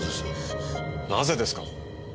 なぜですか？